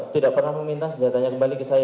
tidak pernah meminta senjatanya kembali